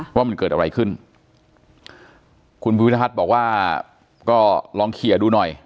ว่ามันเกิดอะไรขึ้นคุณภูวิทพัฒน์บอกว่าก็ลองเคลียร์ดูหน่อย